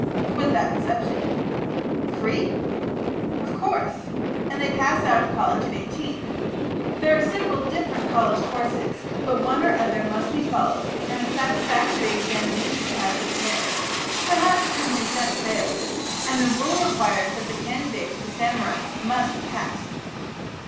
"With that exception." "Free?" "Of course. And they pass out of college at eighteen. There are several different college courses, but one or other must be followed and a satisfactory examination passed at the end perhaps ten per cent. fail and the Rule requires that the candidate for the samurai must have passed."